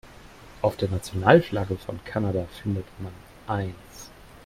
Auf der Nationalflagge von Kanada findet man eins.